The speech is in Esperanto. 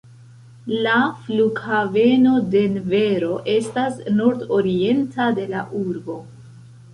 La Flughaveno Denvero estas nordorienta de la urbo.